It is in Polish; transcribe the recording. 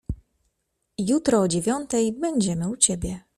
"Jutro o dziewiątej będziemy u ciebie."